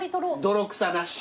泥臭なし。